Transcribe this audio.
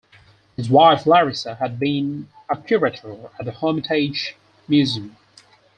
His wife, Larissa, had been a curator at the Hermitage Museum.